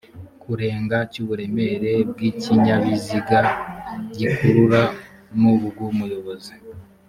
kurenga cy uburemere bw ikinyabiziga gikurura n ubw umuyobozi